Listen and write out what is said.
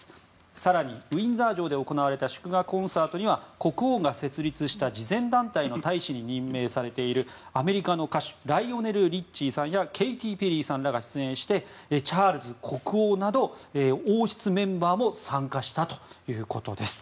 更に、ウィンザー城で行われた祝賀コンサートには国王が設立した慈善団体の大使に任命されているアメリカの歌手ライオネル・リッチーさんやケイティ・ペリーさんらが出演して、チャールズ国王など王室メンバーも参加したということです。